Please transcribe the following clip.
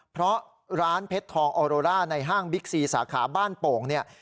เพราะร้านเพชรทองออโรร่าในห้างบิ๊กซีสาขาบ้านโป่งเนี่ย